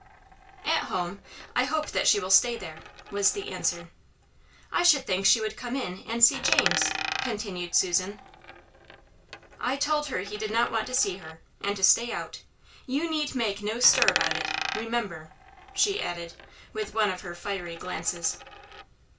"At home. I hope that she will stay there," was the answer. "I should think she would come in and see James," continued Susan. "I told her he did not want to see her, and to stay out. You need make no stir about it; remember:" she added, with one of her fiery glances.